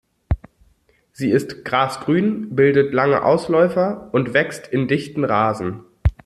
Sie ist grasgrün, bildet lange Ausläufer und wächst in dichten Rasen.